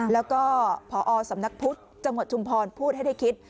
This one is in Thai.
แล้วก็พอสำนักพุทธจังหวัดชุมพรพูดให้ได้คิด